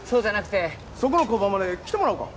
そこの交番まで来てもらおうか。